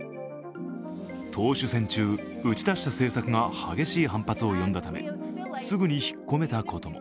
党首選中、打ち出した政策が激しい反発を呼んだため、すぐに引っ込めたことも。